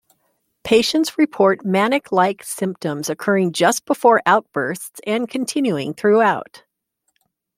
Patients report manic-like symptoms occurring just before outbursts and continuing throughout.